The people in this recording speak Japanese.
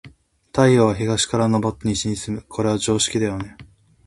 太陽は、東から昇って西に沈む。これは常識だよね。